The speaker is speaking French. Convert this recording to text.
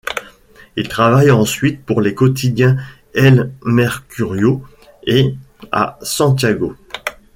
Il travaille ensuite pour les quotidiens El Mercurio et à Santiago.